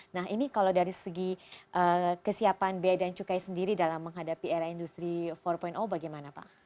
nah ini kalau dari segi kesiapan biaya dan cukai sendiri dalam menghadapi era industri empat bagaimana pak